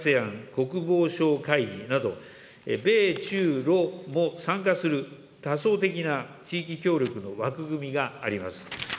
ＡＳＥＡＮ国防相会議など、米中ロも参加する多層的な地域協力の枠組みがあります。